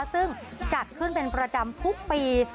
ซึ่งจัดขึ้นเป็นประจำทุกปี